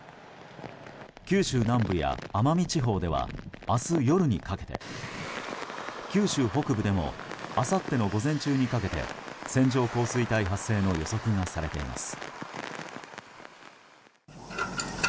九州南部や奄美地方では明日夜にかけて九州北部でもあさっての午前中にかけて線状降水帯発生の予測がされています。